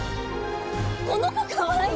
この子かわいい！